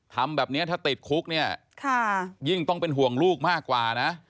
ทำแบบนี้ถ้าติดคุกเนี่ยยิ่งต้องเป็นห่วงลูกมากกว่านะ